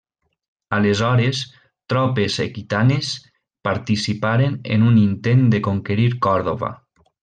Aleshores, tropes aquitanes participaren en un intent de conquerir Còrdova.